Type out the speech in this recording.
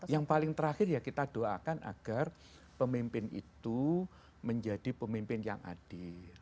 yang paling terakhir ya kita doakan agar pemimpin itu menjadi pemimpin yang adil